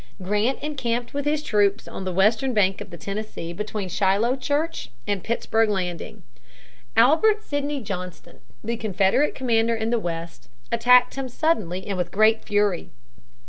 Grant encamped with his troops on the western bank of the Tennessee between Shiloh Church and Pittsburg Landing. Albert Sidney Johnston, the Confederate commander in the West, attacked him suddenly and with great fury.